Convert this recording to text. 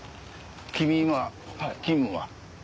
君今勤務は？